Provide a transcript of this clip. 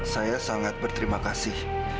saya sangat berterima kasih